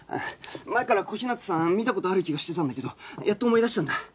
前から小日向さん見た事ある気がしてたんだけどやっと思い出したんだ。